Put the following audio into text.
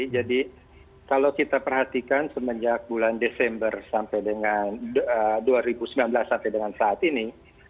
jadi kalau kita perhatikan semenjak bulan desember dua ribu sembilan belas sampai dengan saat ini